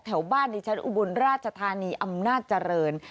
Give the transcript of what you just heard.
แถวบ้านดิฉันอุบลราชธานีอำนาจเจริญ